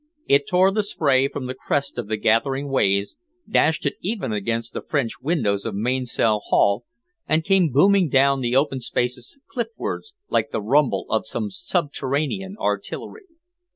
It tore the spray from the crest of the gathering waves, dashed it even against the French windows of Mainsail Haul, and came booming down the open spaces cliffwards, like the rumble of some subterranean artillery.